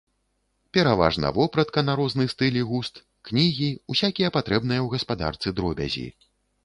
Пераважна вопратка на розны стыль і густ, кнігі, усякія патрэбныя ў гаспадарцы дробязі.